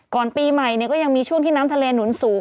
ปีใหม่ก็ยังมีช่วงที่น้ำทะเลหนุนสูง